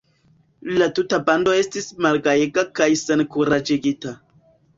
La tuta bando estis malgajega kaj senkuraĝigita.